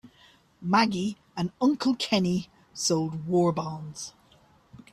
Maggie and Uncle Kenny sold war bonds.